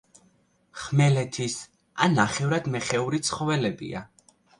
ხმელეთის ან ნახევრად მეხეური ცხოველებია.